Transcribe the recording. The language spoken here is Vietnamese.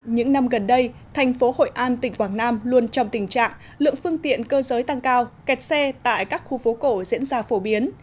những năm gần đây thành phố hội an tỉnh quảng nam luôn trong tình trạng lượng phương tiện cơ giới tăng cao kẹt xe tại các khu phố cổ diễn ra phổ biến